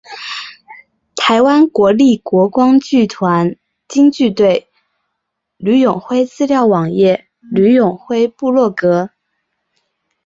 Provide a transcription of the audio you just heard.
台湾国立国光剧团京剧队吕永辉资料网页吕永辉部落格